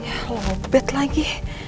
ya lobet lagi